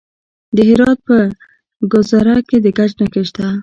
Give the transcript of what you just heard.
د هرات په ګذره کې د ګچ نښې شته.